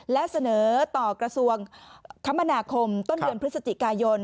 และเสนอต่อกระทรวงคมนาคมต้นเดือนพฤศจิกายน